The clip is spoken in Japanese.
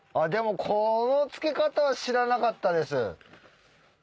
でもこの付け方は知らなかったです。